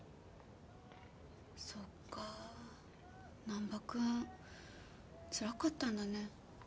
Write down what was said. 難破君つらかったんだね。